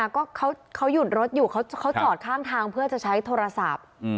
ก็เขาหยุดรถอยู่เขาจอดข้างทางเพื่อจะใช้โทรศัพท์